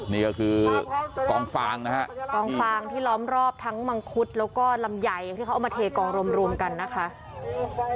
นี่ก็คือกองฟางนะฮะกองฟางที่ล้อมรอบทั้งมังคุดแล้วก็ลำไยที่เขาเอามาเทกองรวมกันนะคะ